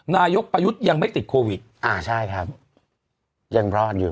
นายกประยุทธ์ยังไม่ติดโควิดอ่าใช่ครับยังรอดอยู่